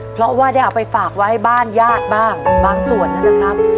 เพราะว่าได้เอาไปฝากไว้บ้านญาติบ้างบางส่วนนะครับ